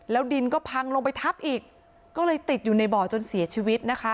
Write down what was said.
ดินก็พังลงไปทับอีกก็เลยติดอยู่ในบ่อจนเสียชีวิตนะคะ